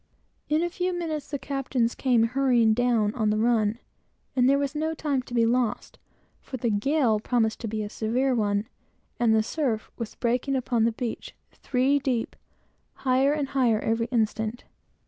In a few minutes, the captains came hurrying down, on the run; and there was no time to be lost, for the gale promised to be a severe one, and the surf was breaking upon the beach, three deep, higher and higher every instant.